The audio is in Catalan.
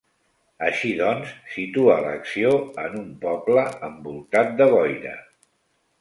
Així doncs, situa l'acció en un poble envoltat de boira.